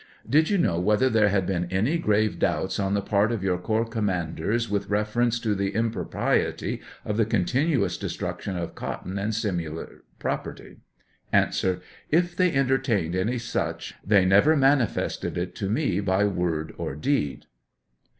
Do you know whether there had been any grave doubts on the part of your corps commanders with reference to the impropriety of the continuous destruc tion of cotton and similar property ? A. If they entertained any such, they never mani fested it to me by word or deed.